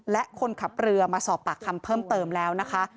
และคนขับเรือมาสอบปากคำเพิ่มเติมแล้วนะคะ